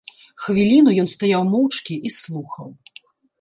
Хвіліну ён стаяў моўчкі і слухаў.